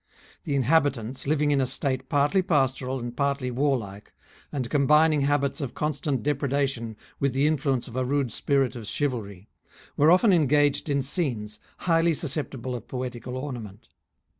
The inhabitants^ living in a state partly pastoral, and partly voarUke, and combining habits of constant depredation with the inflvieneeof a rude spirit ofdiivalry, were often engaged insoenes^highly susceptible of poetical ornament.